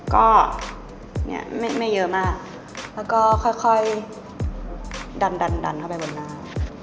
ก็ไม่เยอะมากแล้วก็ค่อยดันดันเข้าไปบนหน้า